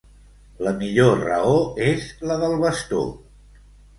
La millor raó és la del bastó.